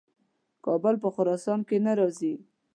کابل په خراسان کې نه راځي.